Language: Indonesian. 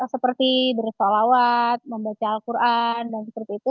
seperti bersolawat membaca al quran dan seperti itu